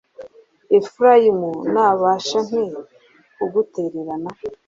Efurayimu, nabasha nte kugutererana,